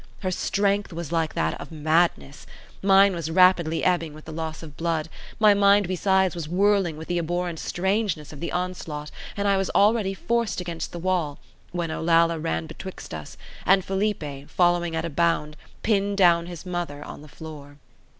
Her strength was like that of madness; mine was rapidly ebbing with the loss of blood; my mind besides was whirling with the abhorrent strangeness of the onslaught, and I was already forced against the wall, when Olalla ran betwixt us, and Felipe, following at a bound, pinned down his mother on the floor.